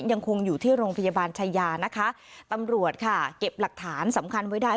ยังคงอยู่ที่โรงพยาบาลชายานะคะตำรวจค่ะเก็บหลักฐานสำคัญไว้ได้